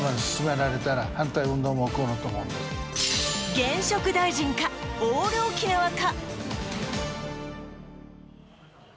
現職大臣か、オール沖縄か。